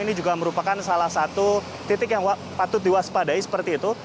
ini juga merupakan salah satu titik yang patut diwaspadai seperti itu